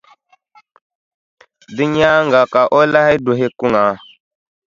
Di nyaaŋa ka o lahi duhi kuŋa.